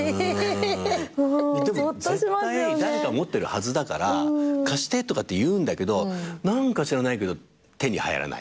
でも絶対誰か持ってるはずだから貸してとかって言うんだけど何か知らないけど手に入らない。